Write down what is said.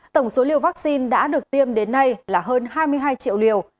tổng số liều vaccine đã được tiêm đến nay là hơn hai mươi hai triệu liều